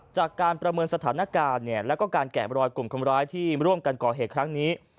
จากการประเมินสถานการณ์แล้วก็การแกะบรอยกลุ่มคนร้ายที่ร่วมกันก่อเหตุครั้งนี้